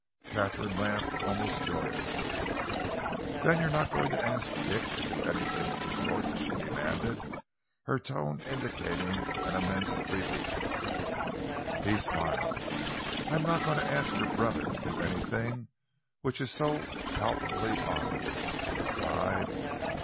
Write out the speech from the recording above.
Katharine laughed almost joyously. "Then you're not going to ask Dick to do anything of that sort?" she demanded, her tone indicating an immense relief. He smiled. "I am not going to ask your brother to do anything which is so palpably obvious," he replied.